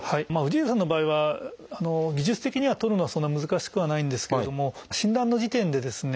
氏家さんの場合は技術的にはとるのはそんな難しくはないんですけれども診断の時点でですね